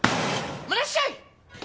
黙らっしゃい！